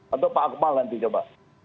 atau pak akmal nanti coba